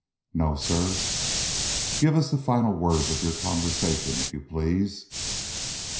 "No, sir." "Give us the final words of your conversation, if you please."